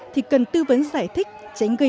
thì cần tư vấn giải thích tránh gây